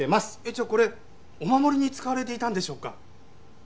じゃあこれお守りに使われていたんでしょうか？